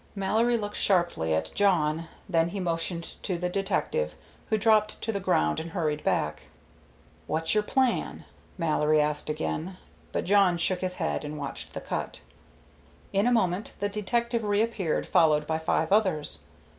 Mallory looked sharply at Jawn, then he motioned to the detective, who dropped to the ground and hurried back. "What's your plan?" Mallory asked again. But Jawn shook his head and watched the cut. In a moment the detective reappeared followed by five others.